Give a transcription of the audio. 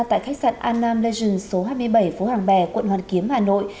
tại khách sạn an nam legend số hai mươi bảy phố hàng bè quận hoàn kiếm hà nội